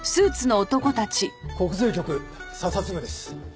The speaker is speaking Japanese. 国税局査察部です。